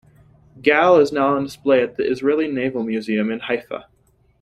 "Gal" is now on display at the Israeli Naval museum in Haifa.